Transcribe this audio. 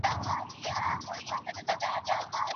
هغه ځان الله ته سپاري.